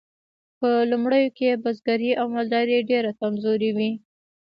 په لومړیو کې بزګري او مالداري ډیرې کمزورې وې.